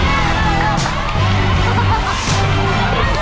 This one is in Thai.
เออเออนี่นะคะ